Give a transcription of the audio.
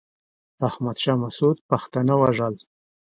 احمد شاه مسعود پښتانه وژل.